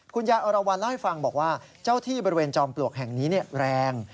อาจารย์อรวรรณเล่าให้ฟังบอกว่าเจ้าที่บริเวณจอมปลวกแห่งนี้แรง